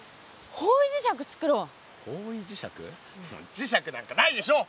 磁石なんかないでしょ！